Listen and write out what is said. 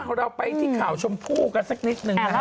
เราไปที่ข่าวชมพู่กันสักนิดนึงนะครับ